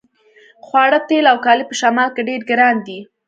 خواړه تیل او کالي په شمال کې ډیر ګران دي